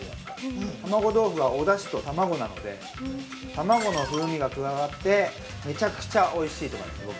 たまご豆腐は、おだしと卵なのでたまごの風味が加わって、めちゃくちゃおいしいと思います